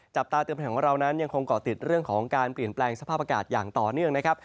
จับตาเตือนภัยของเรานั้นยังคงเกาะติดเรื่องของการเปลี่ยนแปลงสภาพอากาศอย่างต่อเนื่องนะครับ